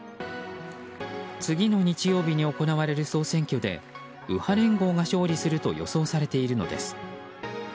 次の日曜日に行われる総選挙で右派連合が勝利すると予想されているのです。